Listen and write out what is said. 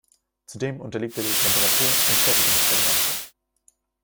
Zudem unterliegt er der Temperatur und Fertigungstoleranzen.